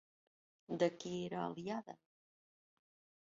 De qui era aliada?